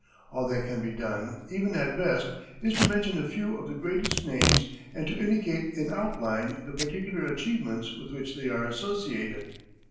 All that can be done, even at best, is to mention a few of the greatest names and to indicate in outline the particular achievements with which they are associated.